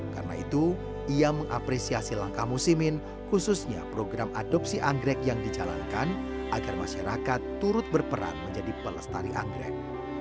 karena itu ia mengapresiasi langkah musimin khususnya program adopsi anggrek yang dijalankan agar masyarakat turut berperan menjadi pelestari anggrek